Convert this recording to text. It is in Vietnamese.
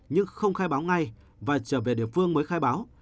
nhưng không khai báo ngay và trở về địa phương mới khai báo